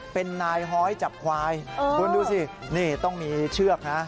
เป็นนายฮ้อยจับควายคุณดูสินี่ต้องมีเชือกนะ